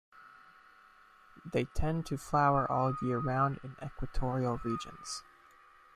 They tend to flower all year round in equatorial regions.